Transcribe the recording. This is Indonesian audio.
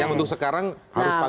yang untuk sekarang harus pak